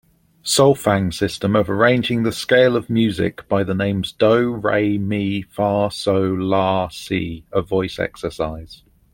Solfaing system of arranging the scale of music by the names do, re, mi, fa, sol, la, si a voice exercise.